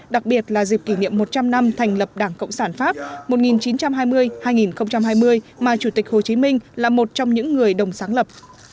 đặc biệt là dịp kỷ niệm một trăm linh năm thành lập đảng cộng sản pháp một nghìn chín trăm hai mươi hai nghìn hai mươi mà chủ tịch hồ chí minh là một trong những người đồng sáng lập